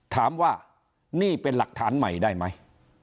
ถามว่านี่เป็นหลักฐานใหม่ได้ไหม